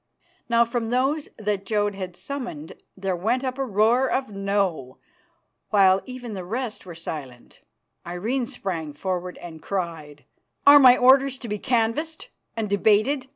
Now from those that Jodd had summoned there went up a roar of "No," while even the rest were silent. Irene sprang forward and cried, "Are my orders to be canvassed and debated?